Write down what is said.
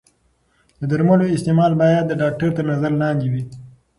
د درملو استعمال باید د ډاکتر تر نظر لاندې وي.